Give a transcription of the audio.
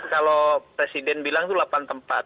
kalau presiden bilang itu delapan tempat